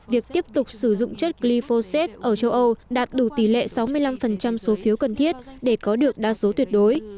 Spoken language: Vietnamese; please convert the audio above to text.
glyphosate ở châu âu đạt đủ tỷ lệ sáu mươi năm số phiếu cần thiết để có được đa số tuyệt đối